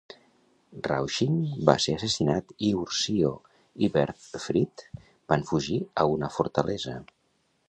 Rauching va ser assassinat i Ursio i Berthefrid van fugir a una fortalesa.